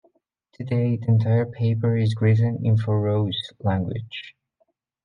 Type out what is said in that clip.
Today the entire paper is written in Faroese language.